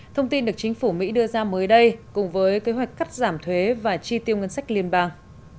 thông tin được chính phủ mỹ đưa ra mới đây cùng với kế hoạch cắt giảm thuế và chi tiêu ngân sách liên bang